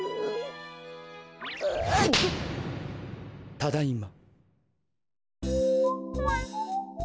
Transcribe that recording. ただいま。